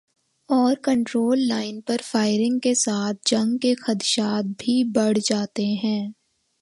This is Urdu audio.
اورکنٹرول لائن پر فائرنگ کے ساتھ جنگ کے خدشات بھی بڑھ جاتے ہیں۔